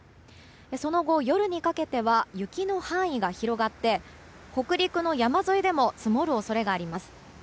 その後、夜にかけては雪の範囲が広がって北陸の山沿いでも積もる恐れがあります。